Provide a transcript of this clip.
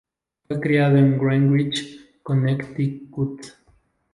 Fue criado en Greenwich, Connecticut.